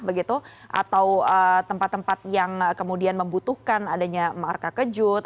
begitu atau tempat tempat yang kemudian membutuhkan adanya marka kejut